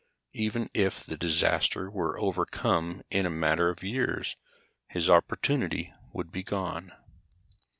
Even if the disaster were overcome in a matter of years, his opportunity would be gone.